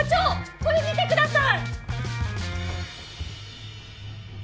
これ見てください！